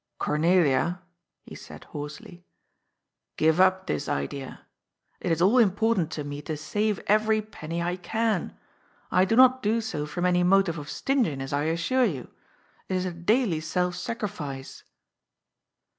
" Cornelia," he said hoarsely, " give up this idea. It is all important to me to save every penny I can. I do not do so«from any motive of stinginess, I assure you. It is a daily self sacrifice."